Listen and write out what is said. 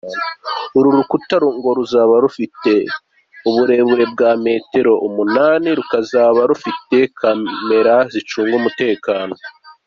Uru rukuta ngo ruzaba rufite uburebure bwa metero umunani rukazaba runafite kamera zicunga umutekano.